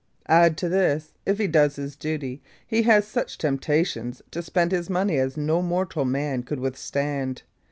Add to this, if he does his duty, he has such temptations to spend his money as no mortal man could withstand.